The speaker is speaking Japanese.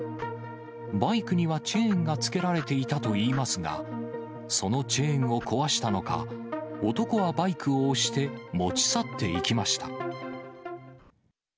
バイクにはチェーンがつけられていたといいますが、そのチェーンを壊したのか、男はバイクを押して、持ち去っていきました。